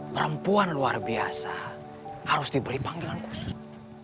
perempuan luar biasa harus diberi panggilan khusus